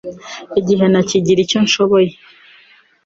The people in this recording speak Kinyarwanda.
Igihe ntakigira icyo nshoboye